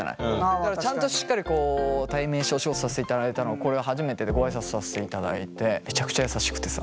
だからちゃんとしっかりこう対面してお仕事させていただいたのこれが初めてでご挨拶させていただいてめちゃくちゃ優しくてさ。